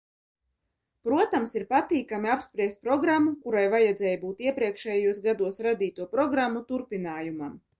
Protams, ir patīkami apspriest programmu, kurai vajadzētu būt iepriekšējos gados radīto programmu turpinājumam.